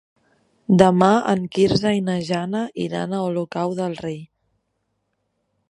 Demà en Quirze i na Jana iran a Olocau del Rei.